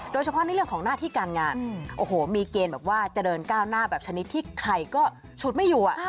โดยเฉพาะในเรื่องของหน้าที่การงานโอ้โหมีเกณฑ์แบบว่าเจริญก้าวหน้าแบบชนิดที่ใครก็ฉุดไม่อยู่